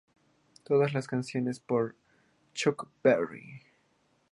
Todas las canciones por Chuck Berry.